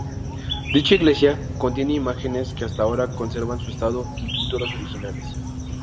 Dicha iglesia contiene imágenes que hasta ahora conservan su estado y pinturas originales.